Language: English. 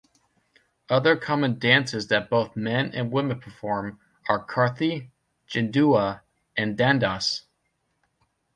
Other common dances that both men and women perform are Karthi, Jindua, and Dandass.